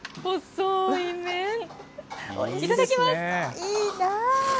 いいな。